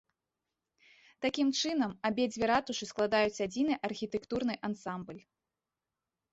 Такім чынам, абедзве ратушы складаюць адзіны архітэктурны ансамбль.